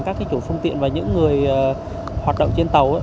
các chủ phương tiện và những người hoạt động trên tàu